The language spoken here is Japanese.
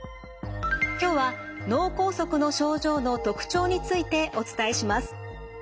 今日は脳梗塞の症状の特徴についてお伝えします。